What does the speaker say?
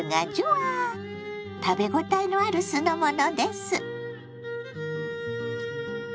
食べ応えのある酢の物です。